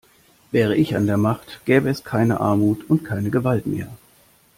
Wäre ich an der Macht, gäbe es keine Armut und keine Gewalt mehr!